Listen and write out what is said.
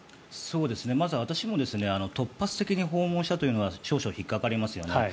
まず私も突発的に訪問したというのは少々引っかかりますよね。